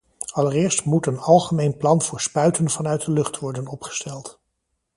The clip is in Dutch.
Allereerst moet een algemeen plan voor spuiten vanuit de lucht worden opgesteld.